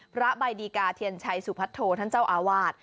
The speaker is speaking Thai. พระใบดีกาเทียนชัยสุพัฒโธท่านเจ้าอาวาส